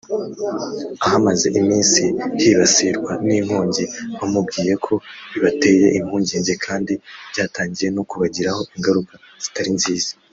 ahamaze iminsi hibasirwa n’inkongi bamubwiye ko bibateye impungenge kandi byatangiye no kubagiraho ingaruka zitari nziza